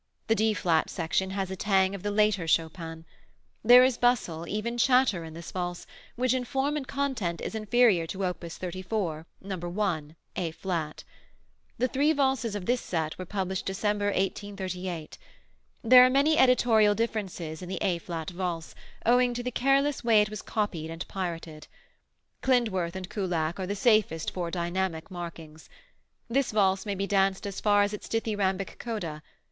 The D flat section has a tang of the later Chopin. There is bustle, even chatter, in this valse, which in form and content is inferior to op. 34, No. I, A flat. The three valses of this set were published December, 1838. There are many editorial differences in the A flat Valse, owing to the careless way it was copied and pirated. Klindworth and Kullak are the safest for dynamic markings. This valse may be danced as far as its dithyrhambic coda.